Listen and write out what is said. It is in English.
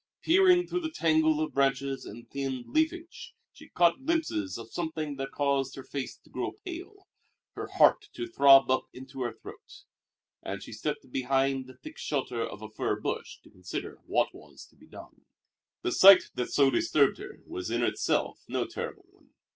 Peering through the tangle of branches and thinned leafage, she caught glimpses of something that caused her face to grow pale, her heart to throb up into her throat; and she stepped behind the thick shelter of a fir bush to consider what was to be done. The sight that so disturbed her was in itself no terrible one.